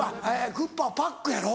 クッパをパックやろ？